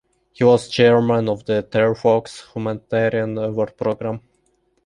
He was chairman of the Terry Fox Humanitarian Award Program.